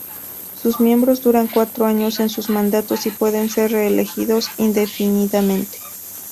Sus miembros duran cuatro años en sus mandatos y pueden ser reelegidos indefinidamente.